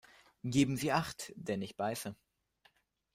Geben Sie Acht, denn ich beiße!